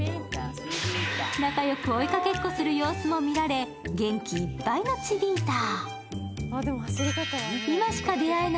仲よく追いかけっこする姿も見られ、元気いっぱいのチビーター。